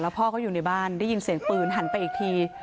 พ่อเขาอยู่ในบ้านได้ยินเสียงปืนหันไปอีกที